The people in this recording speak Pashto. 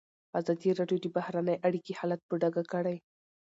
ازادي راډیو د بهرنۍ اړیکې حالت په ډاګه کړی.